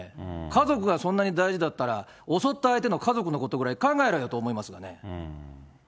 家族がそんなに大事だったら、襲った相手の家族のことくらい考えろよと思いますけどね。